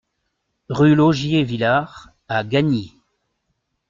Rue Laugier Villars à Gagny